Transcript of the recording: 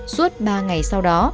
suốt ba ngày sau đó